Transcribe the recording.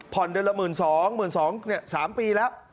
ผ่อนเดือนละ๑๒๐๐๐บาท๑๒๐๐๐บาท๓ปีแล้ว